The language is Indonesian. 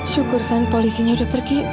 syukur saham polisinya udah pergi